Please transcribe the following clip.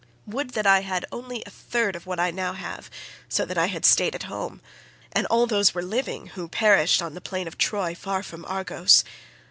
Would that I had only a third of what I now have so that I had stayed at home, and all those were living who perished on the plain of Troy, far from Argos.